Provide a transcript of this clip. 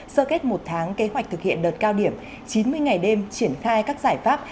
sơ kết một tháng kế hoạch thực hiện đợt cao điểm chín mươi ngày đêm triển khai các giải pháp